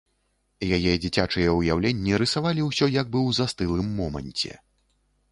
Яе дзіцячыя ўяўленні рысавалі ўсё як бы ў застылым моманце.